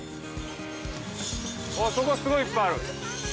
そこすごいいっぱいある。